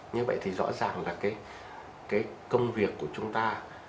như vậy thì rõ ràng là cái công việc của chúng ta